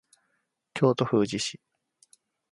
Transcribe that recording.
京都府宇治市